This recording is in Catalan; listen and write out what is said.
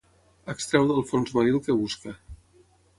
Extreu del fons marí el que busca.